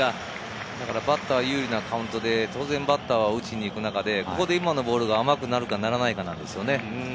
バッター有利なカウントで当然バッターは打ちにいく中で、今のボールが甘くなるかならないかです。